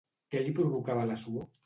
Què li provocava la suor?